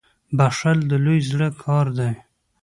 • بخښل د لوی زړه کار دی.